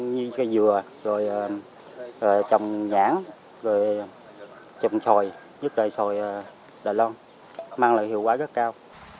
như cây dừa trồng nhãn trồng sồi dứt đầy sồi đà lon mang lại hiệu quả rất cao